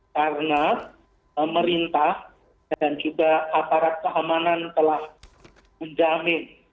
karena pemerintah dan juga aparat keamanan telah mendamin